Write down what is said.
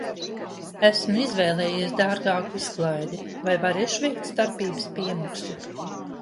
Esmu izvēlējies dārgāku izklaidi, vai varēšu veikt starpības piemaksu?